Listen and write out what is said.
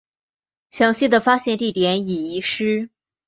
详细的发现地点已遗失。